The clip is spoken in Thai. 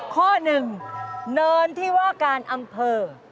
ข้อหนึ่งเนินที่ว่าการอำเภอ